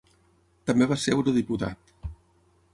També va ser eurodiputat.